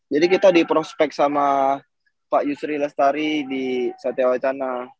jadi kita diprospek sama pak yusri lestari di satya waitana